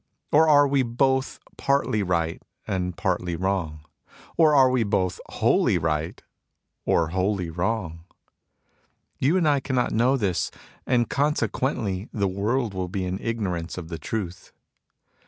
Or are we both partly right and partly wrong ? Or are we both wholly right or wholly wrong ? You and I cannot know this, and consequently the world will be in ignorance of the truth.